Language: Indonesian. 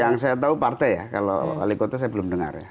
yang saya tahu partai ya kalau wali kota saya belum dengar ya